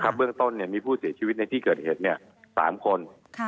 เบื้องต้นมีผู้เสียชีวิตในที่เกิดเหตุ๓คน